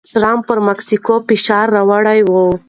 ټرمپ پر مکسیکو فشار راوړی و.